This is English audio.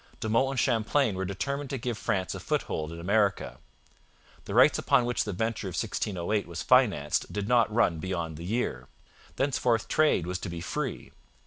De Monts and Champlain were determined to give France a foothold in America. The rights upon which the venture of 1608 was financed did not run beyond the year. Thenceforth trade was to be free.